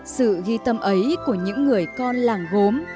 sự ghi tâm ấy của những người con làng gốm